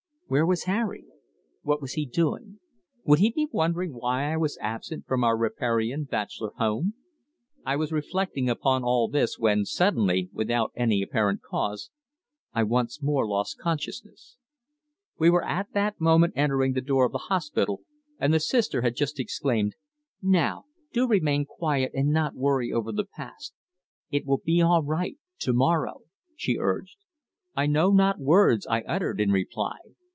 Where was Harry? What was he doing? Would he be wondering why I was absent from our riparian bachelor home? I was reflecting upon all this when suddenly, without any apparent cause, I once more lost consciousness. We were at that moment entering the door of the hospital and the Sister had just exclaimed: "Now, do remain quite quiet and not worry over the past. It will all be right to morrow," she urged. I know not what words I uttered in reply.